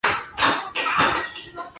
贝儿为救出父亲自愿代替父亲留下。